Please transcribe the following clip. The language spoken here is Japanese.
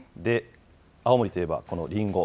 青森といえば、このりんご。